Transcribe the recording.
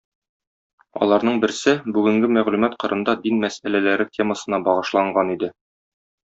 Аларның берсе "Бүгенге мәгълүмат кырында дин мәсьәләләре" темасына багышланган иде.